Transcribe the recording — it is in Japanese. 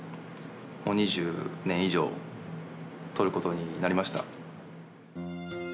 もう２０年以上撮ることになりました。